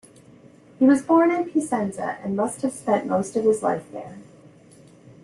He was born in Piacenza, and must have spent most of his life there.